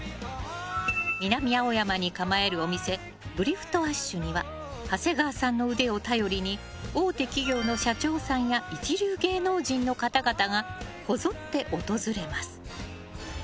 南青山に構えるお店ＢｒｉｆｔＨには長谷川さんの腕を頼りに大手企業の社長さんや一流芸能人の方々がこぞって訪れます。